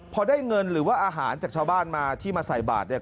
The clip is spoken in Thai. พอได้เงินหรือว่าอาหารจากชาวบ้านมาที่มาใส่บาทเนี่ย